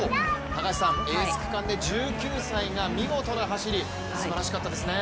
高橋さん、エース区間で１９歳が見事な走りすばらしかったですね。